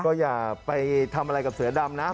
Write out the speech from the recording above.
ก็อย่าไปทำอะไรกับเสือดำนะ